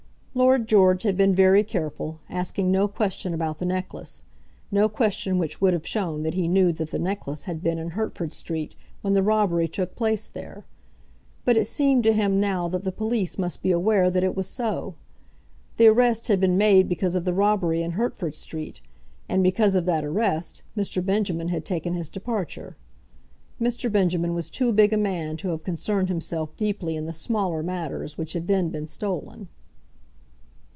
Lord George had been very careful, asking no question about the necklace; no question which would have shown that he knew that the necklace had been in Hertford Street when the robbery took place there; but it seemed to him now that the police must be aware that it was so. The arrest had been made because of the robbery in Hertford Street, and because of that arrest Mr. Benjamin had taken his departure. Mr. Benjamin was too big a man to have concerned himself deeply in the smaller matters which had then been stolen.